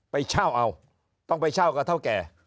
ไปเช่าเอาต้องไปเช่ากับเท่าแก่